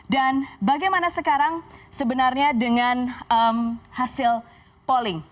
dan bagaimana sekarang sebenarnya dengan hasil polling